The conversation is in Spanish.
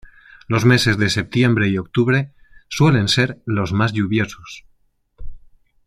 Los meses de setiembre y octubre suelen ser los más lluviosos.